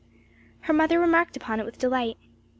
Her mother remarked upon it with delight.